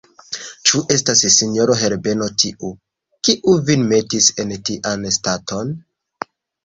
Ĉu estas sinjoro Herbeno tiu, kiu vin metis en tian staton?